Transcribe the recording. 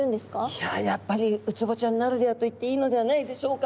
いややっぱりウツボちゃんならではと言っていいのではないでしょうか。